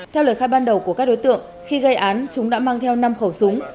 theo lời khai ban đầu của các đối tượng khi gây án chúng đã mang theo năm khẩu súng